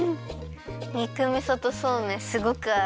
肉みそとそうめんすごくあう。